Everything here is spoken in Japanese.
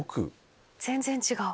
全然違う。